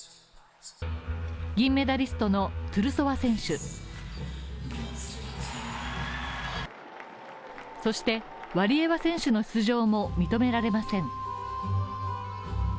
銀メダリストのトゥルソワ選手、そしてワリエワ選手の出場も認められません。